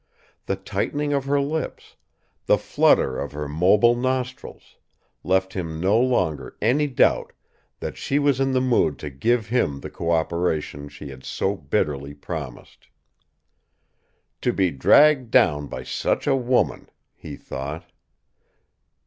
The tightening of her lips, the flutter of her mobile nostrils, left him no longer any doubt that she was in the mood to give him the cooperation she had so bitterly promised. "To be dragged down by such a woman!" he thought.